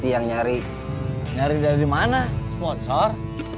yang nyari nyari dari mana sponsor